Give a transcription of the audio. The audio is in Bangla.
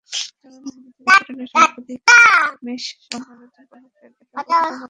চারণভূমিতে বিচরণের সময় শতাধিক মেষ সামলানো একজন পালকের একার পক্ষে সম্ভব নয়।